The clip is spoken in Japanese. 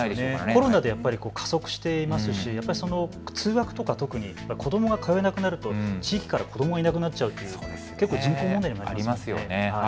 コロナで加速していますし通学とか特に子どもが通えなくなると地域から子どもがいなくなっちゃうという、結構、人口問題もありますね。